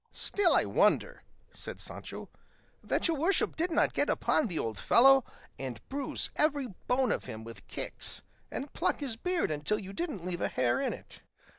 "Still I wonder," said Sancho, "that your worship did not get upon the old fellow and bruise every bone of him with kicks, and pluck his beard until you didn't leave a hair in it."